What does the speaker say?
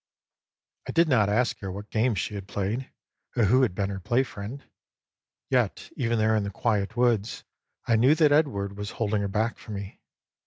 I did not ask her what games she had played, or who had been her play friend. Yet even there in the quiet woods I knew that Edward was holding her back from me.